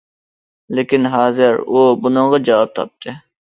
لېكىن ھازىر ئۇ بۇنىڭغا جاۋاب تاپتى.